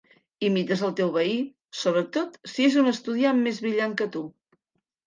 Imites el teu veí, sobretot si és un estudiant més brillant que tu.